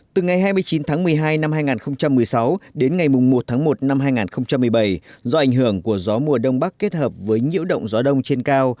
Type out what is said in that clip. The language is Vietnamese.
từ ngày hai mươi chín tháng một mươi hai năm hai nghìn một mươi sáu đến ngày một tháng một năm hai nghìn một mươi bảy do ảnh hưởng của gió mùa đông bắc kết hợp với nhiễu động gió đông trên cao